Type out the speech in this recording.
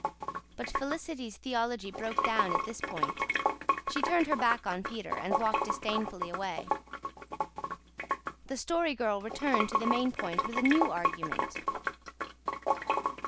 But Felicity's theology broke down at this point. She turned her back on Peter and walked disdainfully away. The Story Girl returned to the main point with a new argument.